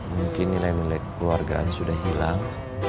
mungkin nilai nilai keluargaan sudah hilang